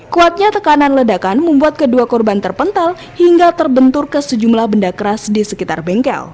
kuatnya tekanan ledakan membuat kedua korban terpental hingga terbentur ke sejumlah benda keras di sekitar bengkel